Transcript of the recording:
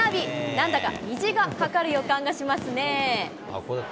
なんだか虹がかかる予感がしますね。